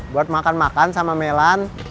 buat makan makan sama melan